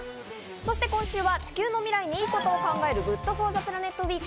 そして今週は地球の未来にいいことを考えるＧｏｏｄＦｏｒｔｈｅＰｌａｎｅｔウィーク。